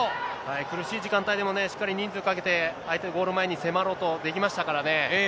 苦しい時間帯でもね、しっかり人数かけて、相手ゴール前に迫ろうとできましたからね。